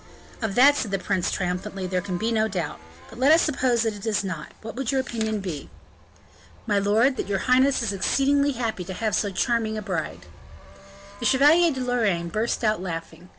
"Of that," said the prince triumphantly, "there can be no doubt; but let us suppose that it is not, what would your opinion be?" "My lord, that your highness is exceedingly happy to have so charming a bride." The Chevalier de Lorraine burst out laughing.